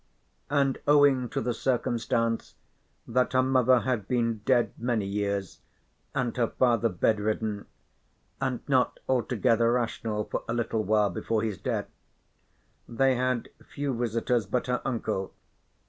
And owing to the circumstance that her mother had been dead many years, and her father bedridden, and not altogether rational for a little while before his death, they had few visitors but her uncle.